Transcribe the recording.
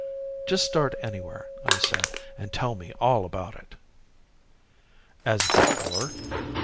"Just start anywhere," I said, "and tell me all about it." "As before?"